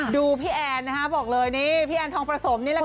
พี่แอนนะคะบอกเลยนี่พี่แอนทองประสมนี่แหละค่ะ